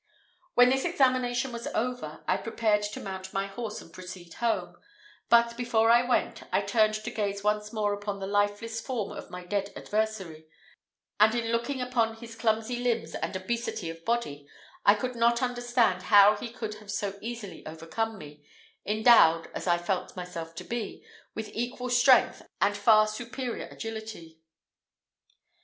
When this examination was over, I prepared to mount my horse and proceed home, but before I went, I turned to gaze once more upon the lifeless form of my dead adversary; and in looking upon his clumsy limbs and obesity of body, I could not understand how he could have so easily overcome me, endowed, as I felt myself to be, with equal strength and far superior agility.